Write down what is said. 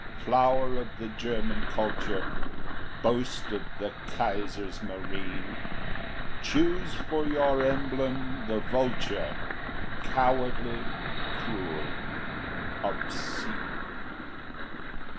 Flower of the German Culture, Boast of the Kaiser's Marine, Choose for your emblem the vulture, Cowardly, cruel, obscene!